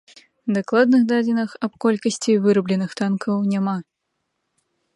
Дакладных дадзеных аб колькасці вырабленых танкаў няма.